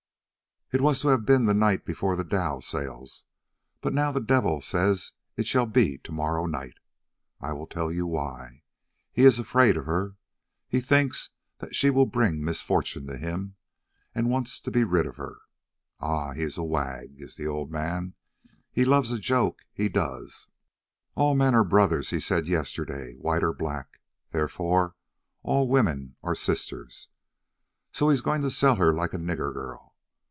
"It was to have been the night before the dhows sail, but now the Devil says it shall be to morrow night. I will tell you why—he is afraid of her. He thinks that she will bring misfortune to him, and wants to be rid of her. Ah! he is a wag, is the old man—he loves a joke, he does. 'All men are brothers,' he said yesterday, 'white or black; therefore all women are sisters.' So he is going to sell her like a nigger girl.